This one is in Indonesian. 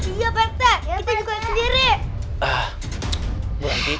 iya pak rete kita juga sendiri